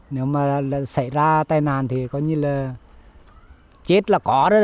nếu mà xảy ra tai nạn thì coi như là chết là có đấy